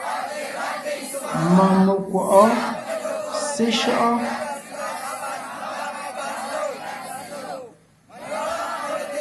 Mɔɔn mekwɔ̀’ɔ seshÿɔ́’ɔ?